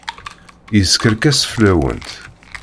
Yeskerkes fell-awent.